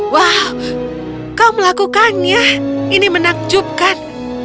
wow kau melakukannya ini menakjubkan